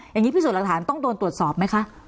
อย่างนี้พิสูจน์หลักฐานต้องโดนตรวจสอบไหมคะ